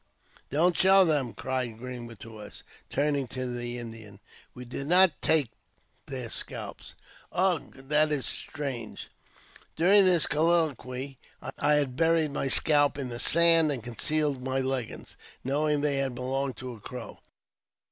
*' Don't show them !" cried Greenwood to us. Turning to the Indian :" We did not take their scalps." " Ugh ! that is strange." During this colloquy I had buried my scalp in the sand, and concealed my leggings, knowing they had belonged to a CroW.